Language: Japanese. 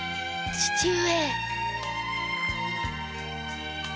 父上。